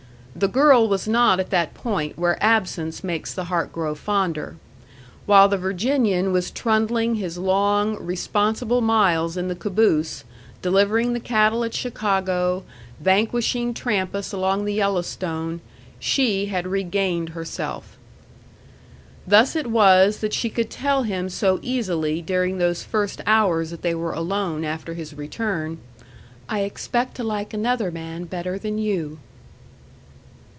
The girl was not at that point where absence makes the heart grow fonder. While the Virginian was trundling his long, responsible miles in the caboose, delivering the cattle at Chicago, vanquishing Trampas along the Yellowstone, she had regained herself. Thus it was that she could tell him so easily during those first hours that they were alone after his return, "I expect to like another man better than you."